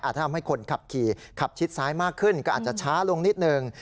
ถ้าทำให้คนขับขี่ขับชิดซ้ายมากขึ้นก็อาจจะช้าลงนิดนึง